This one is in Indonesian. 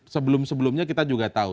sebelum sebelumnya kita juga tahu